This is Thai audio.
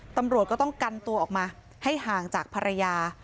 ตำรวจก็ต้องกันตัวออกมาให้ห่างจากภรรยา